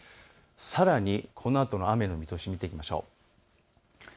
さらに、このあとの雨を見ていきましょう。